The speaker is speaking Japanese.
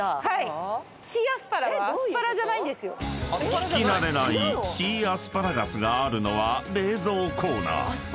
［聞き慣れないシーアスパラガスがあるのは］